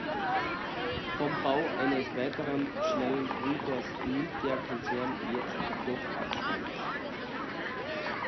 Vom Bau eines weiteren schnellen Brüters nimmt der Konzern jetzt doch Abstand.